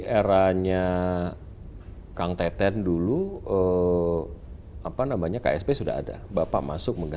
semoga untenang darisomething yang ngelaksan yang aneh yang terkadang sudah ada di tempat yang penuhnya